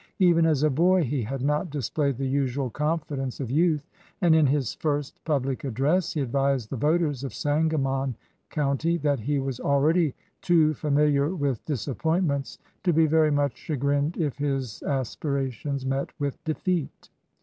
Even as a boy he had not displayed the usual confidence of youth, and in his first public address he advised the voters of Sanga mon County that he was already too familiar with disappointments to be very much chagrined if his aspirations met with defeat.